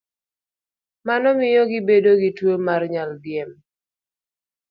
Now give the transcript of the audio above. Mano miyo gibedo gi tuwo mar nyaldiema.